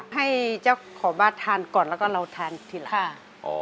ให้เจ้าของบ้านทานก่อนแล้วก็เราทานทีหลัง